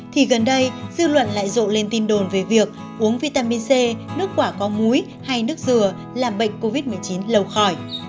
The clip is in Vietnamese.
thì gần đây dư luận lại rộ lên tin đồn về việc uống vitamin c nước quả có múi hay nước dừa làm bệnh covid một mươi chín lâu khỏi